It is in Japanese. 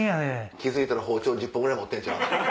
気付いたら包丁１０本ぐらい持ってんちゃう？